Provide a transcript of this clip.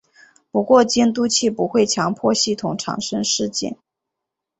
不过监督器不会强迫系统产生事件。